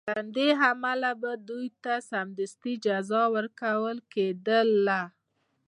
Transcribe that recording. له همدې امله به دوی ته سمدستي جزا ورکول کېدله.